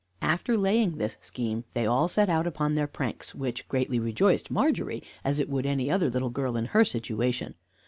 After laying his scheme, they all set out upon their pranks, which greatly rejoiced Margery, as it would any other little girl in her situation.